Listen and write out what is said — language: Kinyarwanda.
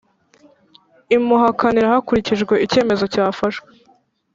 imuhakanira hakurikijwe icyemezo cyafashwe